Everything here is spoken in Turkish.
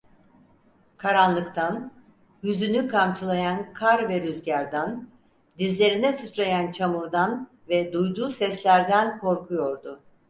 Karanlıktan, yüzünü kamçılayan kar ve rüzgardan, dizlerine sıçrayan çamurdan ve duyduğu seslerden korkuyordu.